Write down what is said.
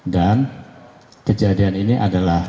dan kejadian ini adalah